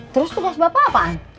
terus tugas bapak apaan